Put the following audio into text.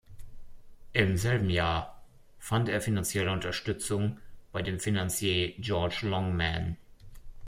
Im selben Jahr fand er finanzielle Unterstützung bei dem Finanzier George Longman.